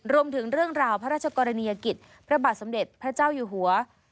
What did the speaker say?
เรื่องราวพระราชกรณียกิจพระบาทสมเด็จพระเจ้าอยู่หัว